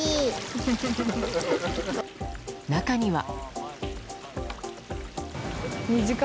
中には。